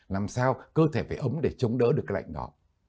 làm sao cơ thể phải ống để chống đỡ được cái lạnh đó